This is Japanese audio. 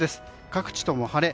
各地とも晴れ。